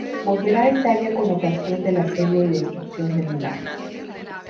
Volverá a Italia con ocasión del asedio y destrucción de Milán.